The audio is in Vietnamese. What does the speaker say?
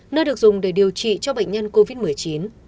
nơi được dùng để điều trị cho bệnh nhân covid một mươi chín